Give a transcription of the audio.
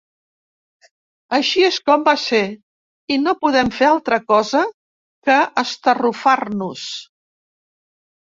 Així és com va ser, i no podem fer altra cosa que estarrufar-nos.